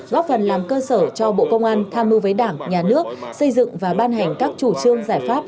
góp phần làm cơ sở cho bộ công an tham mưu với đảng nhà nước xây dựng và ban hành các chủ trương giải pháp